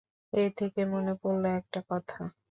এ থেকে মনে পড়ল একটা কথা।